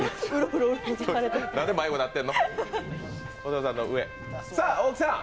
なんで迷子になってるの？